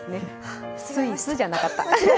スイスじゃなかった。